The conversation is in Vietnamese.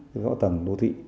hạ tầng đô thị